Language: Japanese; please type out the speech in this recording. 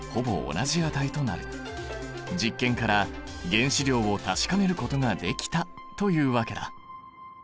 実験から原子量を確かめることができたというわけだ。